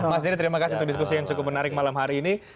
mas dedy terima kasih untuk diskusi yang cukup menarik malam hari ini